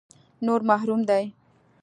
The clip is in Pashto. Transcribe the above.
نور محروم دي.